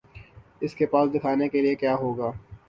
اس کے پاس دکھانے کے لیے کیا ہو گا؟